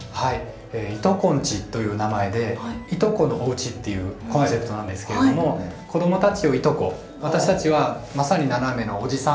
「いとこんち」という名前でいとこのおうちっていうコンセプトなんですけれども子どもたちをいとこ私たちはまさにナナメのおじさん